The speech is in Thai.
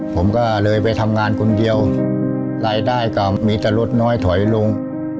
ผมก็เลยไปทำงานคนเดียวรายได้ก็มีแต่ลดน้อยถอยลง